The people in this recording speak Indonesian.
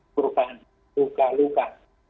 burukannya buka luka